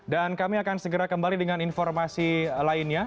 dan kami akan segera kembali dengan informasi lainnya